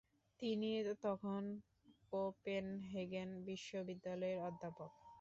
তিনি তখন কোপেনহেগেন বিশ্ববিদ্যালয়ের অধ্যাপক।